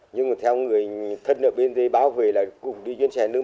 nhưng theo người thân ở bên đây báo về là cũng đi chuyến xe nước